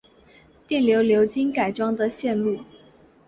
电流流经改装的线路